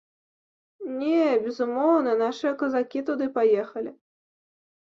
Не, безумоўна, нашыя казакі туды паехалі.